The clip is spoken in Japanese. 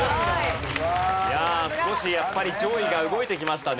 少しやっぱり上位が動いてきましたね。